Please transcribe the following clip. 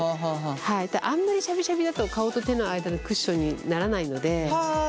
あんまりシャビシャビだと顔と手の間のクッションにならないので。